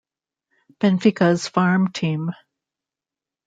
Benfica's farm team.